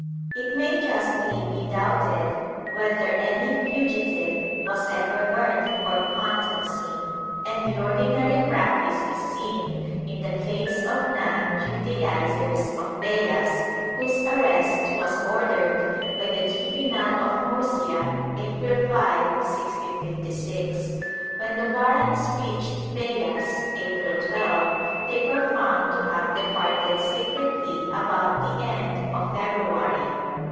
^ It may justly be doubted whether any fugitive was ever burnt for contumacy, and the ordinary practice is seen in the case of nine Judaizers of Beas, whose arrest was ordered by the tribunal of Murcia, April 5, 1656. When the warrants reached Beas, April 12, they were found to have departed secretly about the end of February.